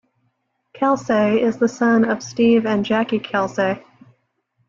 Kelsay is the son of Steve and Jackie Kelsay.